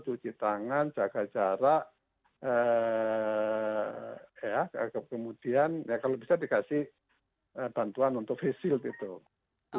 cuci tangan jaga jarak kemudian ya kalau bisa dikasih bantuan untuk face shield itu